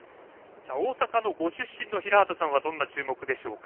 大阪のご出身の平畠さんはどこに注目でしょうか。